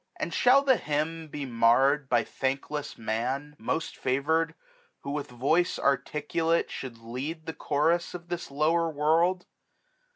And shall the hymn be marr'd by thankless man, 1235 Most favour'd ; who with voice articulate Should lead the chorus of this lower world